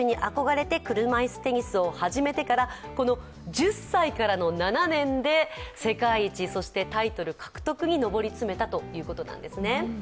１０歳からの７年で世界一、そしてタイトル獲得に上り詰めたということです。